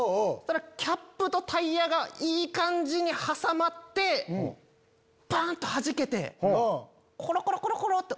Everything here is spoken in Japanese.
そしたらキャップとタイヤがいい感じに挟まってパン！とはじけてコロコロコロコロ！